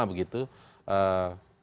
dan menyebut nama nama pelaku utama